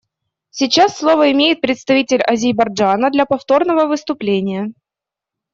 Сейчас слово имеет представитель Азербайджана для повторного выступления.